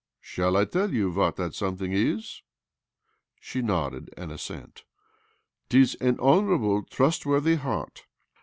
' Shall I tell you what that something is ?" She nodded an assent .' 'Tis an honourable, trustworthy heart.